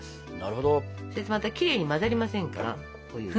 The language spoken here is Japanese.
それときれいに混ざりませんから。